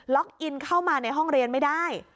อินเข้ามาในห้องเรียนไม่ได้